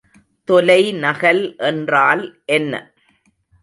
தொலைநகல் என்றால் என்ன?